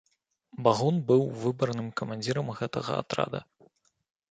Багун быў выбарным камандзірам гэтага атрада.